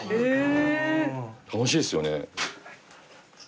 楽しいですよね。